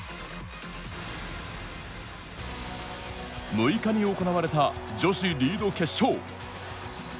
６日に行われた女子リード決勝。